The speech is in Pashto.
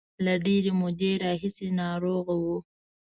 له ډېرې مودې راهیسې ناروغه و.